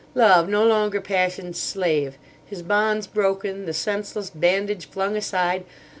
Love no longer passion's slave. His bonds broken, the senseless bandage flung aside.